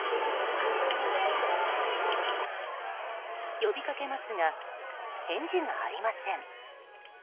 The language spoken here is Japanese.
呼びかけますが返事がありません。